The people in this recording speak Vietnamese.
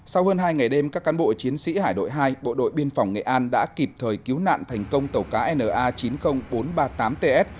sau hơn hai ngày đêm các cán bộ chiến sĩ hải đội hai bộ đội biên phòng nghệ an đã kịp thời cứu nạn thành công tàu cá na chín mươi nghìn bốn trăm ba mươi tám ts